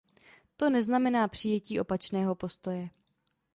To neznamená přijetí opačného postoje.